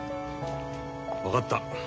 分かった。